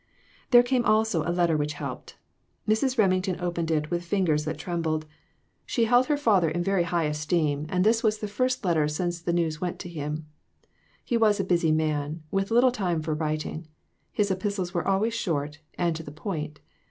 There came, also, a letter which helped. Mrs. Remington opened it with fingers that trembled ; 404 INTUITIONS. she held her father in very high esteem, and this was the first letter since the news went to him. He was a busy man, with little time for writing ; his epistles were always short, and to the point.